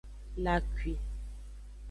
La akwi.